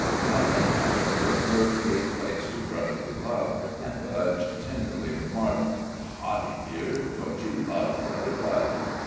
At length, however, mirth gave place to brotherly love, and Budge tenderly remarked: "Toddie, dear, don't you love Brother Budge?"